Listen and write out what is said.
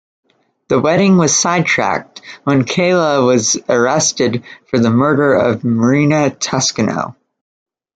The wedding was sidetracked when Kayla was arrested for the murder of Marina Toscano.